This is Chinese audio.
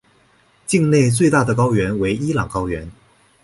境内最大的高原为伊朗高原。